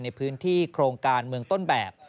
ในพื้นที่โครงการเมืองต้นแบบ